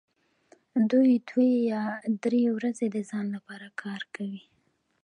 دوی دوې یا درې ورځې د ځان لپاره کار کوي